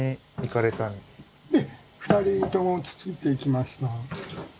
２人ともくっついていきました。